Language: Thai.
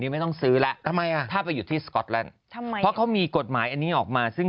ไม่ต้องย้ายสมบัติบัวไปอยู่นู้น